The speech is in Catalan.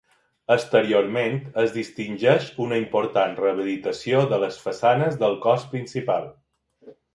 Exteriorment es distingeix una important rehabilitació de les façanes del cos principal.